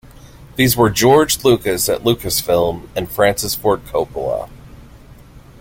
These were George Lucas at Lucasfilm and Francis Ford Coppola.